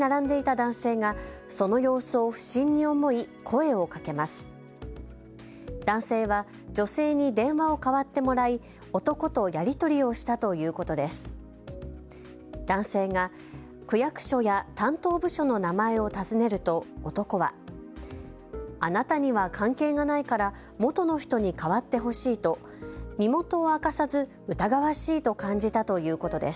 男性が区役所や担当部署の名前を尋ねると男はあなたには関係がないからもとの人にかわってほしいと身元を明かさず疑わしいと感じたということです。